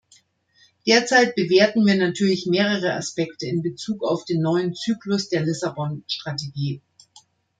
Derzeit bewerten wir natürlich mehrere Aspekte in Bezug auf den neuen Zyklus der Lissabon-Strategie.